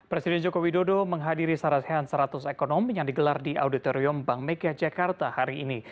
presiden joko widodo menghadiri sarasehan seratus ekonom yang digelar di auditorium bank mega jakarta hari ini